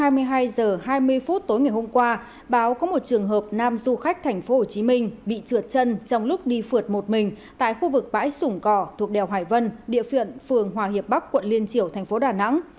trong lúc hai mươi hai h hai mươi phút tối ngày hôm qua báo có một trường hợp nam du khách thành phố hồ chí minh bị trượt chân trong lúc đi phượt một mình tại khu vực bãi sủng cò thuộc đèo hải vân địa phiện phường hoàng hiệp bắc quận liên triểu thành phố đà nẵng